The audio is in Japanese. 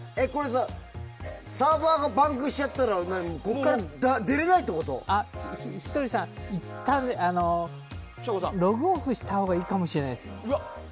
サーバーがパンクしちゃったらひとりさん、いったんログオフしたほうがいいかもしれないです。